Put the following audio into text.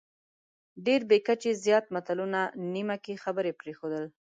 ډېر بې کچې زیات متلونه، نیمه کې خبرې پرېښودل،